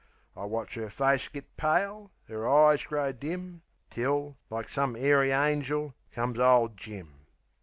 I watch 'er face git pale, 'er eyes grow dim; Till like some 'airy angel comes ole Jim.